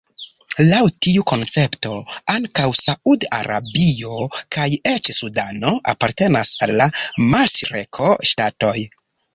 Laŭ tiu koncepto ankaŭ Saud-Arabio kaj eĉ Sudano apartenas al la maŝreko-ŝtatoj.